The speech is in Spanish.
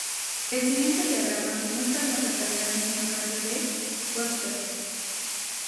El siguiente diagrama muestra a las localidades en un radio de de Webster.